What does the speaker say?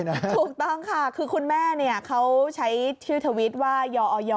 ถูกต้องค่ะคือคุณแม่เขาใช้ชื่อทวิตว่ายออย